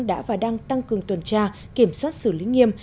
đã và đang tăng cường tuần tra kiểm soát xử lý nghiêm